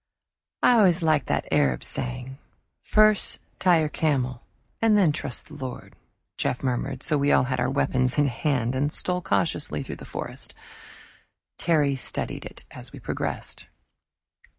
"I always liked that Arab saying, 'First tie your camel and then trust in the Lord,'" Jeff murmured; so we all had our weapons in hand, and stole cautiously through the forest. Terry studied it as we progressed.